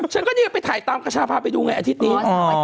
ฉันก็เนี่ยไปถ่ายตามกระชาพาไปดูไงอาทิตย์นี้